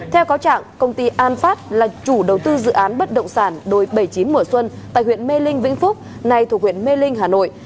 theo cáo trạng công ty an phát là chủ đầu tư dự án bất động sản đồi bảy mươi chín mùa xuân tại huyện mê linh vĩnh phúc nay thuộc huyện mê linh hà nội